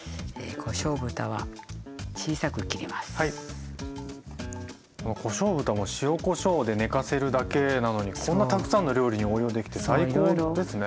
このこしょう豚も塩・こしょうで寝かせるだけなのにこんなたくさんの料理に応用できて最高ですね。